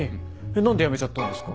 何で辞めちゃったんですか？